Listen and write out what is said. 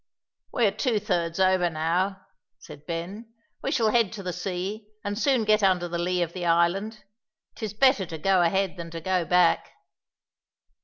"We are two thirds over now," said Ben; "we shall be head to the sea, and soon get under the lee of the island; 'tis better to go ahead than to go back."